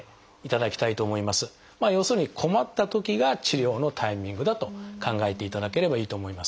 要するに困ったときが治療のタイミングだと考えていただければいいと思います。